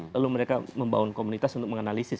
lalu mereka membangun komunitas untuk menganalisis